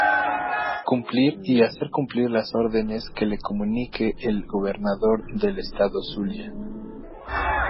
Cumplir y hacer cumplir las órdenes que le comunique el Gobernador del estado Zulia.